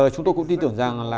chúng tôi cũng tin tưởng rằng là